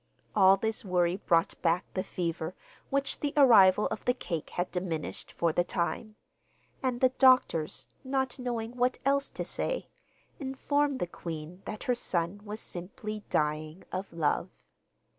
All this worry brought back the fever, which the arrival of the cake had diminished for the time; and the doctors, not knowing what else to say, informed the queen that her son was simply dying of love.